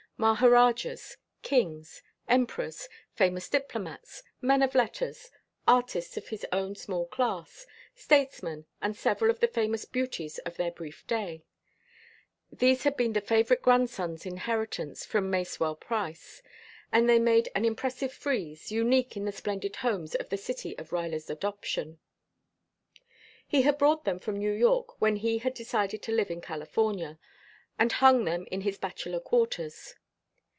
Maharajas, kings, emperors, famous diplomats, men of letters, artists of his own small class, statesmen and several of the famous beauties of their brief day; these had been the favorite grandson's inheritance from Masewell Price, and they made an impressive frieze, unique in the splendid homes of the city of Ruyler's adoption. He had brought them from New York when he had decided to live in California, and hung them in his bachelor quarters.